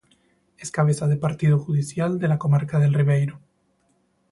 Es cabeza de partido judicial de la comarca del Ribeiro.